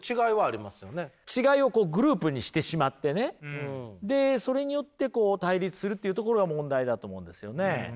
違いをこうグループにしてしまってねでそれによってこう対立するっていうところが問題だと思うんですよね。